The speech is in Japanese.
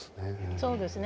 そうですね。